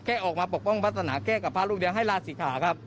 แค่ออกมาปกป้องพัฒนาแค่กับพระรุเวียงให้ราชศิษฐาครับ